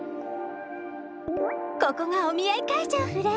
ここがお見合い会場フラ。